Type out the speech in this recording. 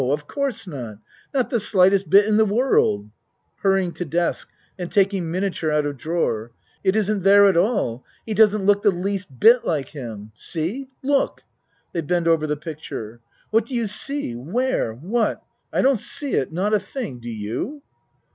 Of course not! Not the slightest bit in the world. (Hurrying to desk and taking miniature out of drawer.) It isn't there at all. He doesn't look the least bit like him. See look! (They bend over the picture.) What do you see? Where? What? I don't see it. Not a thing. Do you